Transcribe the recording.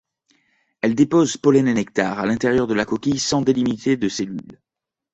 Elle dépose pollen et nectar à l'intérieur de la coquille sans délimiter de cellule.